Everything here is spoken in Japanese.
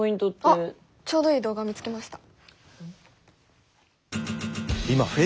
あっちょうどいい動画を見つけました。